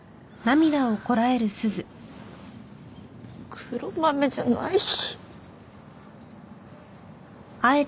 黒豆じゃないし。